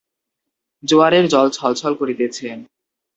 জোয়ারের জল ছল ছল করিতেছে।